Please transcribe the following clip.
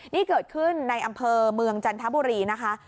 นี่เกิดขึ้นในอำเภอเมืองจันทบุรีนะคะ